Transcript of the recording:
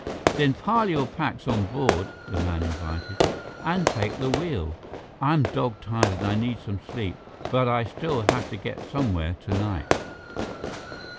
"Then pile your packs on board," the man invited, "and take the wheel. I'm dog tired and I need some sleep, but I still have to get somewhere tonight."